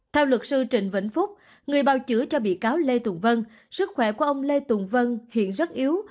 theo luật sư trần vĩnh phúc người bào chữa cho bị cáo lê tùng vân sức khỏe của ông lê tùng vân hiện rất yếu